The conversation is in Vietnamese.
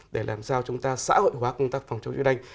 để làm sao chúng ta xã hội hóa công tác phòng chống sốt huyết đánh